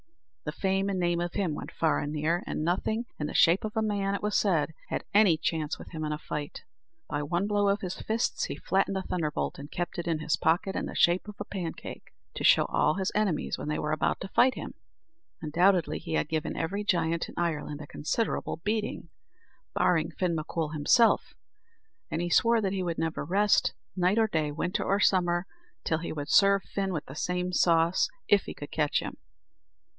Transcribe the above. The fame and name of him went far and near, and nothing in the shape of a man, it was said, had any chance with him in a fight. By one blow of his fists he flattened a thunderbolt and kept it in his pocket, in the shape of a pancake, to show to all his enemies when they were about to fight him. Undoubtedly he had given every giant in Ireland a considerable beating, barring Fin M'Coul himself; and he swore that he would never rest, night or day, winter or summer, till he would serve Fin with the same sauce, if he could catch him.